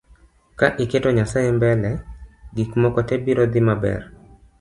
Ka iketo nyasae mbele , gik moko tee biro dhii maber